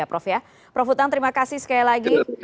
prof utang terima kasih sekali lagi